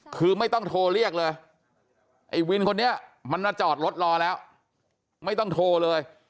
คือไม่ต้องโทรเรียกเลยไอ้วินคนนี้มันมาจอดรถรอแล้วไม่ต้องโทรเลย